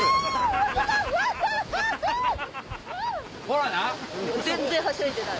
ほらな。